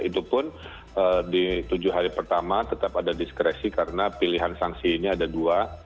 itu pun di tujuh hari pertama tetap ada diskresi karena pilihan sanksi ini ada dua